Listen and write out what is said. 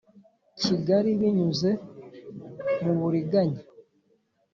Kigali binyuze mu buriganya